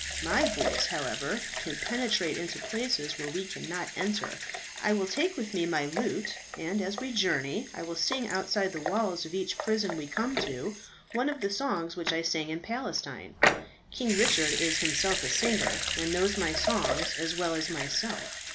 My voice, however, can penetrate into places where we cannot enter. I will take with me my lute, and as we journey I will sing outside the walls of each prison we come to one of the songs which I sang in Palestine. King Richard is himself a singer and knows my songs as well as myself.